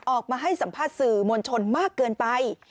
ออกมาให้สัมภาษณ์สื่อมวลชนมากเกินไป